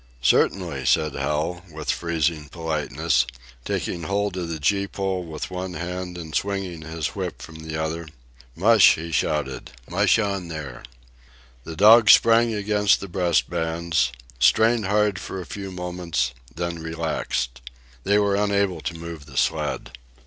"Certainly," said Hal, with freezing politeness, taking hold of the gee pole with one hand and swinging his whip from the other. "Mush!" he shouted. "Mush on there!" The dogs sprang against the breast bands, strained hard for a few moments, then relaxed. They were unable to move the sled.